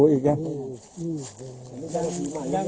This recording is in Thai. มุนที่มุนที่มาจากไหน